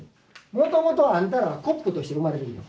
もともとあんたらはコップとして生まれてきた。